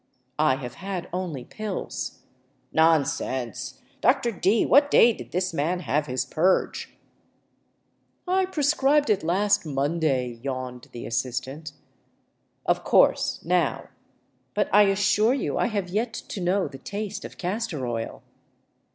" I have had only pills." " Nonsense ! Dr. D, what day did this man have his purge ?"" I prescribed it last Monday," yawned the assistant. " Of course. Now ..."" But I assure you I have yet to know the taste of castor oil."